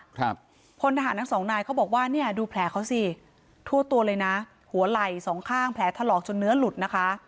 พลทหารทั้งสองนายเขาบอกว่าเนี่ยดูแผลเขาสิทั่วตัวเลยนะหัวไหล่สองข้างแผลถลอกจนเนื้อหลุดนะคะ